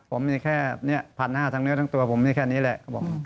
ผมมีแค่๑๕๐๐ทั้งเนื้อทั้งตัวผมมีแค่นี้แหละ